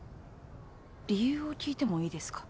理由を聞いてもいいですか？